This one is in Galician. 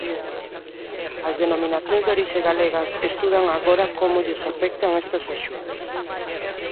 As denominacións de orixe galegas estudan agora como lles afectan estas axudas.